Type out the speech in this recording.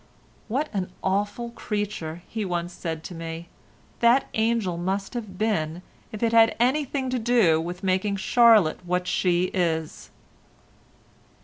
"What an awful creature," he once said to me, "that angel must have been if it had anything to do with making Charlotte what she is."